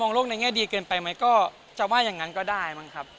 โลกในแง่ดีเกินไปไหมก็จะว่าอย่างนั้นก็ได้มั้งครับ